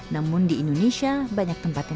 namun di indonesia banyak tempat yang